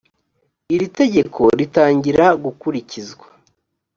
iri tegeko ritangira gukurikizwa